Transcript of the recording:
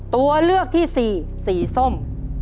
ตัวเลือกที่สี่สีส้ม